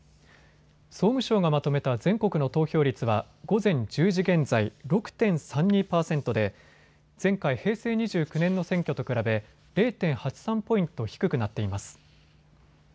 総務省がまとめた全国の投票率は午前１０時現在、６．３２％で前回、平成２９年の選挙と比べ０．８３ポイント低くなっています。